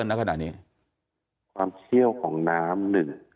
หนึ่ง